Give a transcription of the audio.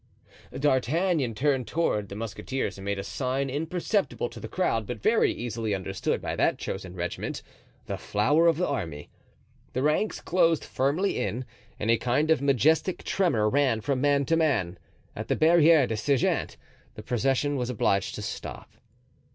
D'Artagnan turned toward the musketeers and made a sign imperceptible to the crowd, but very easily understood by that chosen regiment, the flower of the army. The ranks closed firmly in and a kind of majestic tremor ran from man to man. At the Barriere des Sergents the procession was obliged to stop.